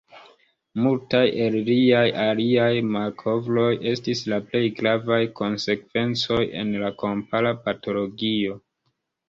Multaj el liaj aliaj malkovroj estis la plej gravaj konsekvencoj en la kompara patologio.